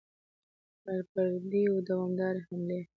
پر پردیو دوامدارې حملې.